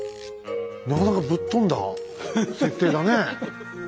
なかなかぶっ飛んだ設定だね。